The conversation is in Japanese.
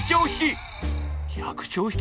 １００兆匹？